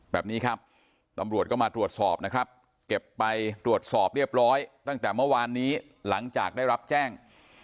แบบนี้ครับตำรวจก็มาตรวจสอบนะครับเก็บไปตรวจสอบเรียบร้อยตั้งแต่เมื่อวานนี้หลังจากได้รับแจ้ง